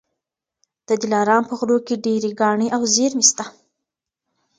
د دلارام په غرو کي ډېر کاڼي او زېرمې سته.